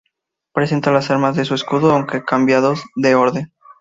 Presenta las armas de su escudo, aunque cambiados de orden.